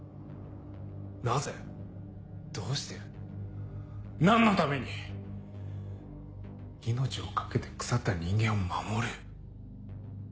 なぜどうして何のために命を懸けて腐った人間を守る？